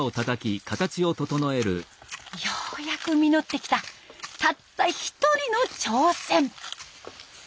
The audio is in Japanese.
ようやく実ってきたたった一人の挑戦。